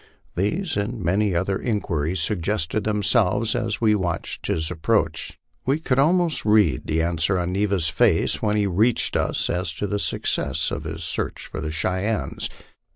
These and many other inquiries suggested themselves as we watched his approach. We could almost read the answer on Neva's face when he reached us as to the success of his search for the Cheyennes.